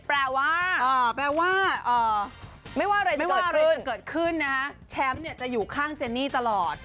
แปลว่าไม่ว่าอะไรจะเกิดขึ้นนะแชมป์จะอยู่ข้างเจนี่ตลอด